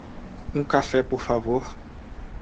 Um cafê por favor.